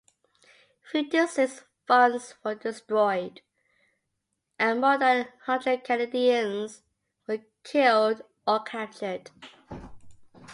Fifty-six farms were destroyed and more than a hundred Canadiens were killed or captured.